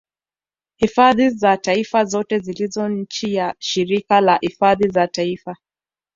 Hifadhi za taifa zote zilizo chini ya shirika la hifadhi za taifa